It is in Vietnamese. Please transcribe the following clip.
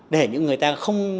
để những người ta không